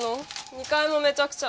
２階もめちゃくちゃ。